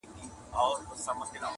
پر ها بل یې له اسمانه ټکه لوېږي؛